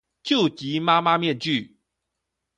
救急媽媽面具